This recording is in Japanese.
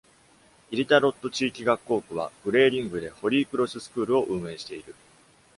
イディタロッド地域学校区はグレーリングでホリー・クロス・スクールを運営している。